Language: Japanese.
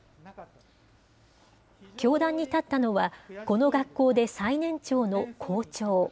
教壇に立ったのは、この学校で最年長の校長。